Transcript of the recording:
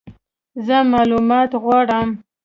زه مالومات غواړم !